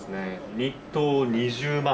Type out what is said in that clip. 日当２０万